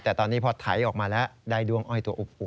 แต่ตอนนี้พอถ่ายออกมาแล้วได้ดวงอ้อยตัวอบ